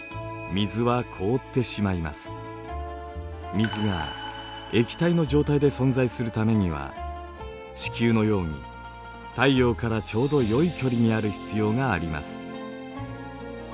水が液体の状態で存在するためには地球のように太陽からちょうどよい距離にある必要があります。